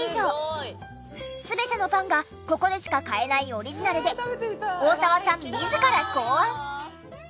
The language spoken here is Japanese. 全てのパンがここでしか買えないオリジナルで大澤さん自ら考案。